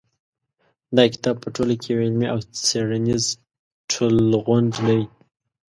دا کتاب په ټوله کې یو علمي او څېړنیز ټولغونډ دی.